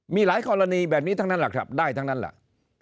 มีหลายกรณีแบบนี้ทั้งนั้นแหละครับได้ทั้งนั้นแหละ